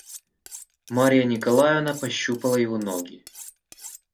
Марья Николаевна пощупала его ноги.